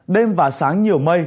đêm và sáng nhiều mây